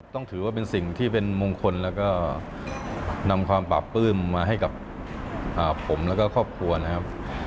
ต้องถือว่าเป็นสิ่งที่เป็นมงคลแล้วก็นำความปราบปลื้มมาให้กับผมแล้วก็ครอบครัวนะครับ